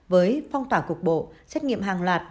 với phong tỏa cuộc bộ xét nghiệm hàng loạt